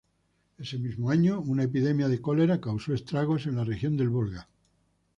Ese mismo año, una epidemia de cólera causó estragos en la región del Volga.